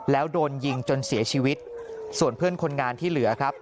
แล้วโดนยิงจนเสียชีวิตส่วนเพื่อนคนงานที่เหลือครับ